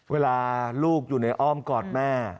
เวลาลูกอยู่ในอ้อมกอดแม่